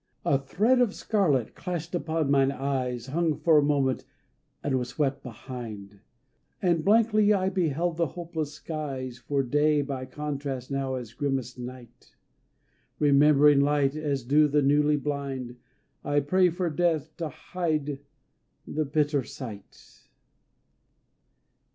A thread of scarlet clashed upon mine eyes Hung for a moment and was swept behind, And blankly I beheld the hopeless skies For day by contrast now is grimmest night Remembering light as do the newly blind I pray for death to hide the bitter sight.